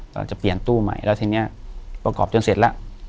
เราจะเปลี่ยนตู้ใหม่แล้วทีนี้ประกอบจนเสร็จแล้ว